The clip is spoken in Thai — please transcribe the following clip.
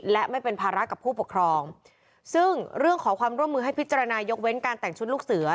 และไม่เป็นภาระกับผู้ปกครองซึ่งเรื่องขอความร่วมมือให้พิจารณายกเว้นการแต่งชุดลูกเสือ